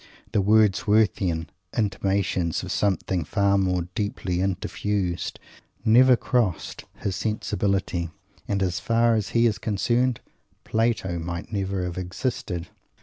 The Wordsworthian intimations of "something far more deeply interfused" never crossed his sensibility; and, as far as he is concerned, Plato might never have existed.